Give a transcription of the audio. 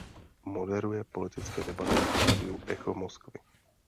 Moderuje politické debaty v rádiu Echo Moskvy.